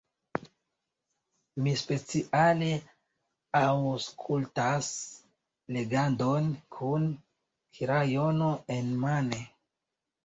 Mi speciale aŭskultas legadon kun krajono enmane.